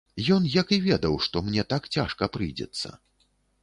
Ён як і ведаў, што мне так цяжка прыйдзецца.